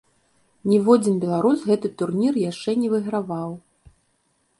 Ніводзін беларус гэты турнір яшчэ не выйграваў.